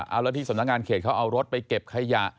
เอาแล้วที่สำนักงานเขตเขาเอารถไปเก็บขยะ